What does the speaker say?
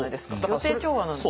予定調和なんですか。